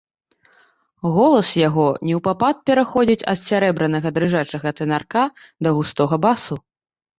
Голас яго неўпапад пераходзіць ад сярэбранага дрыжачага тэнарка да густога басу.